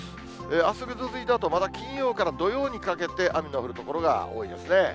あすぐずついたあと、また金曜から土曜にかけて、雨の降る所が多いですね。